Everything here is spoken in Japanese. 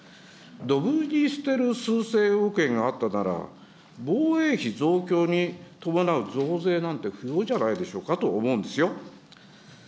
どぶに捨てる数千億円があったなら、防衛費増強に伴う増税なんて不要じゃないかと思うんですよ。